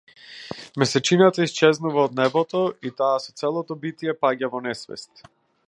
Месечината исчезнува од небото, и таа со целото битие паѓа во несвест.